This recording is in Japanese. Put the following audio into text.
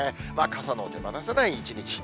傘の手放せない一日。